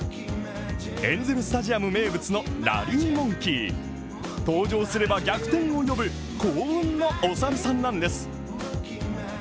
エンゼル・スタジアム名物のラリーモンキー登場すれば逆転を呼ぶ、幸運のお猿さんなんです。